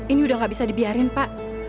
ini udah gak bisa dibiarin pak